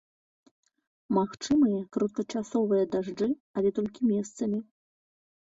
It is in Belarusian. Магчымыя кароткачасовыя дажджы, але толькі месцамі.